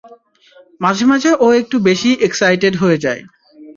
মাঝে মাঝে ও একটু বেশিই এক্সাইটেড হয়ে যায়।